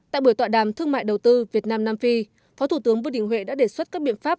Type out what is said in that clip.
tại buổi tọa đàm thương mại đầu tư việt nam nam phi phó thủ tướng vương đình huệ đã đề xuất các biện pháp